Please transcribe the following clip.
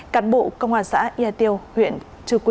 cán bộ công an xã ea tiêu